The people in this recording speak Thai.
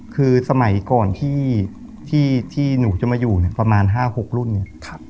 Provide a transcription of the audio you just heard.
คือสมัยก่อนที่ที่ที่หนูจะมาอยู่เนี่ยประมาณห้าหกรุ่นนี่ค่ะ